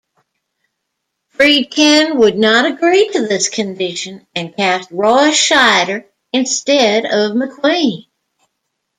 Friedkin would not agree to this condition, and cast Roy Scheider instead of McQueen.